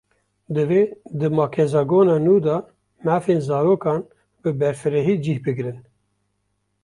Divê di makezagona nû de mafên zarokan, bi berfirehî cih bigirin